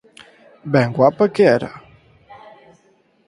Ben guapa que era!